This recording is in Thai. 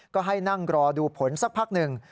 ก็ให้นั่งรอดูผลสักพักหนึ่ง